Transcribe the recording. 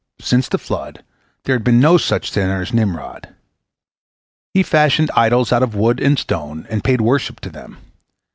Since the flood there had been no such sinner as Nimrod. He fashioned idols of wood and stone, and paid worship to them.